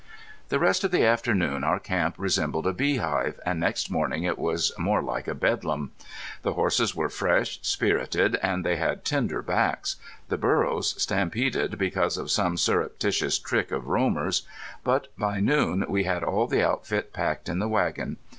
The rest of the afternoon our camp resembled a beehive, and next morning it was more like a bedlam. The horses were fresh, spirited, and they had tender backs; the burros stampeded because of some surreptitious trick of Romer's. But by noon we had all the outfit packed in the wagon.